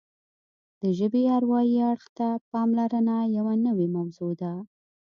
د ژبې اروايي اړخ ته پاملرنه یوه نوې موضوع ده